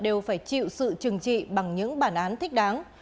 đều phải chịu sự trừng trị bằng những bản án thích đáng